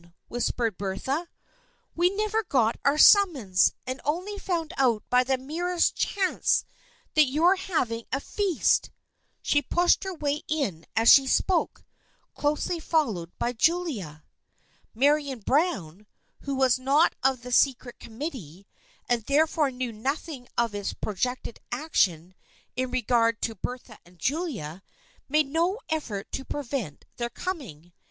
whispered Bertha. " We never got our summons, and only found out by the merest chance that you were having a feast." She pushed her way in as she spoke, closely followed by Julia. Marian Browne, who was not of the secret com mittee, and therefore knew nothing of its projected action in regard to Bertha and Julia, made no ef fort to prevent their coming.